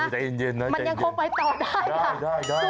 มันยังคงไปต่อได้ค่ะ